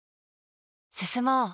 進もう。